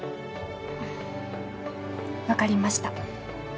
わかりました。